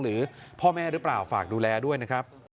หรือพ่อแม่หรือเปล่าฝากดูแลด้วยนะครับ